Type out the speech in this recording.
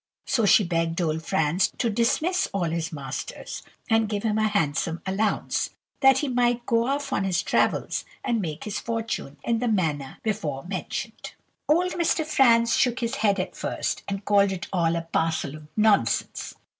So she begged old Franz to dismiss all his masters, and give him a handsome allowance, that he might go off on his travels and make his fortune, in the manner before mentioned. "Old Mr. Franz shook his head at first, and called it all a parcel of nonsense.